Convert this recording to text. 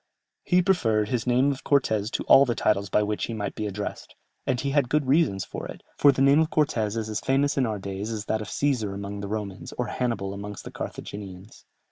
"He preferred his name of Cortès to all the titles by which he might be addressed, and he had good reasons for it, for the name of Cortès is as famous in our days as that of Cesar amongst the Romans, or Hannibal amongst the Carthaginians."